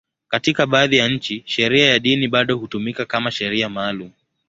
Katika baadhi ya nchi, sheria ya dini bado hutumika kama sheria maalum.